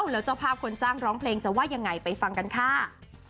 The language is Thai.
แล้วเจ้าภาพคนจ้างร้องเพลงจะว่ายังไงไปฟังกันค่ะ